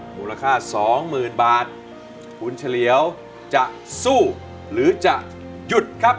หมูราคา๒๐๐๐๐บาทคุณเฉลียวจะสู้หรือจะหยุดครับ